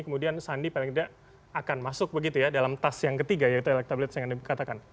kemudian sandi paling tidak akan masuk begitu ya dalam tas yang ketiga yaitu elektabilitas yang anda katakan